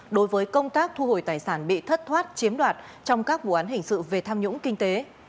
đối với công tác thu hồi tài sản bị thất thoát chiếm đoạt trong các vụ án hình sự về tham nhũng kinh tế